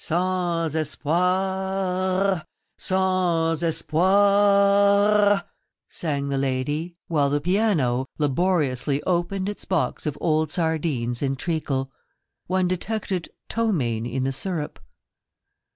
SANS Espoir, sans Espoir, ...' sang the lady while the piano laboriously opened its box of old sardines in treacle. One detected ptomaine in the syrup.